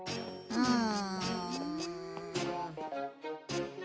うん。